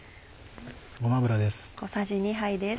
ごま油です。